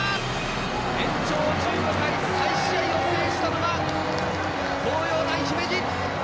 延長１５回再試合を制したのは東洋大姫路！